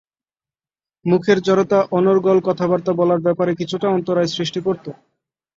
মুখের জড়তা অনর্গল কথাবার্তা বলার ব্যাপারে কিছুটা অন্তরায় সৃষ্টি করত।